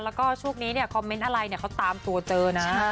แล้วก็ช่วงนี้เนี่ยคอมเมนต์อะไรเนี่ยเขาตามตัวเจอนะ